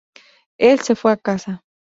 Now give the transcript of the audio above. Él se fue a casa.